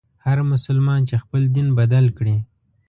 هر مسلمان چي خپل دین بدل کړي.